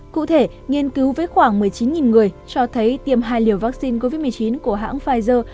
cụ thể nghiên cứu với khoảng một mươi chín người cho thấy tiêm hai liều vaccine covid một mươi chín của hãng pfizer